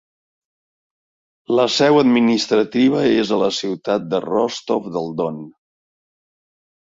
La seu administrativa és a la ciutat de Rostov del Don.